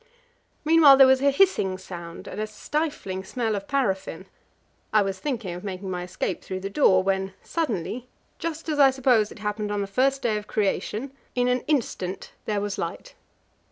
Meanwhile there was a hissing sound, and a stifling smell of paraffin. I was thinking of making my escape through the door, when suddenly, just as I suppose it happened on the first day of Creation, in an instant there was light.